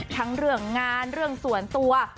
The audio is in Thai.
ทั้งเรื่องงานเรื่องส่วนตัว